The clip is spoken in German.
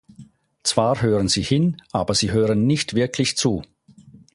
Zwar hören sie hin, aber sie hören nicht wirklich zu.